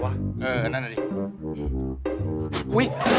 ไม่ร้อนเอา้เลยแสก